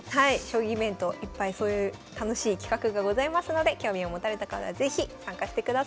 将棋イベントいっぱいそういう楽しい企画がございますので興味を持たれた方は是非参加してください。